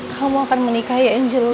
kamu akan menikahi angelny